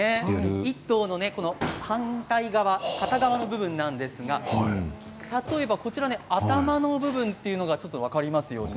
１頭の反対側、片側の部分なんですが例えば、頭の部分というのが分かりますよね。